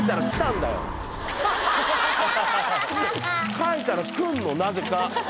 描いたら来んのなぜか。